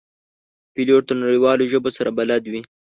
پیلوټ د نړیوالو ژبو سره بلد وي.